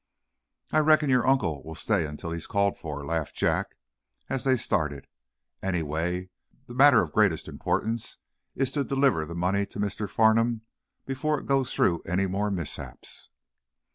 "I reckon your uncle will stay until he's called for," laughed Jack, as they started. "Anyway, the matter of greatest importance is to deliver the money to Mr. Farnum before it goes through any more mishaps."